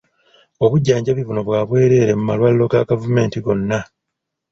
Obujjanjabi buno bwa bwereere mu malwaliro ga gavumenti gonna.